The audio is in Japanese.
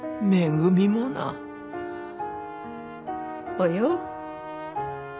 およ。